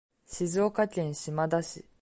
静岡県島田市